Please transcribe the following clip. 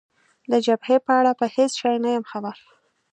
د جبهې په اړه په هېڅ شي نه یم خبر.